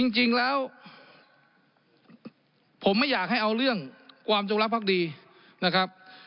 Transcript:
จริงแล้วผมไม่อยากให้เอาเรื่องความจงรักภักดีนะครับ